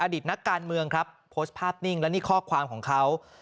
ดิตนักการเมืองครับโพสต์ภาพนิ่งและนี่ข้อความของเขา